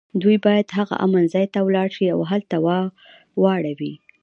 دوی باید هغه امن ځای ته ولاړ شي او هلته واړوي